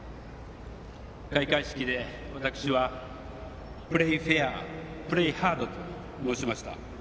開会式で私は「プレーフェアプレーハード」と申しました。